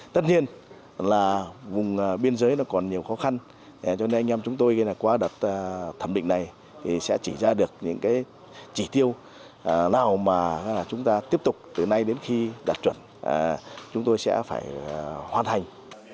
tất nhiên là vùng biên giới còn nhiều khó khăn cho nên anh em chúng tôi qua đặt thẩm định này sẽ chỉ ra được những chỉ tiêu nào mà chúng ta tiếp tục từ nay đến khi đạt chuẩn chúng tôi sẽ phải hoàn thành